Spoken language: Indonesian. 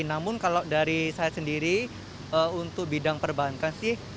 namun kalau dari saya sendiri untuk bidang perbankan sih